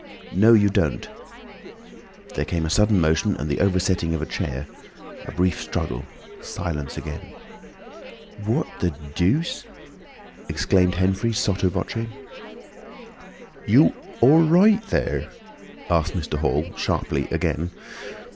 no, you don't!" There came a sudden motion and the oversetting of a chair, a brief struggle. Silence again. "What the dooce?" exclaimed Henfrey, sotto voce. "You—all—right thur?" asked Mr. Hall, sharply, again.